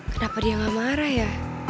kenapa dia gak marah ya